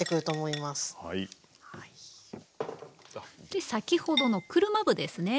で先ほどの車麩ですね